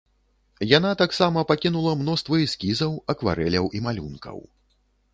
Яна таксама пакінула мноства эскізаў, акварэляў і малюнкаў.